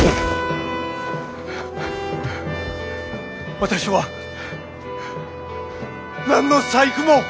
私は何の細工も！